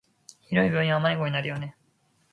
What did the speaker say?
広い病院は迷子になるよね。